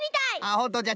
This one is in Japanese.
ほんとじゃ。